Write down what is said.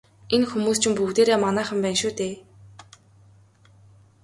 Энэ хүмүүс чинь бүгдээрээ манайхан байна шүү дээ.